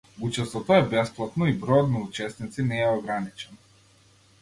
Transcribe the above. Учеството е бесплатно и бројот на учесници не е ограничен.